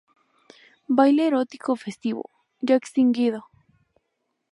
Baile erótico festivo, ya extinguido.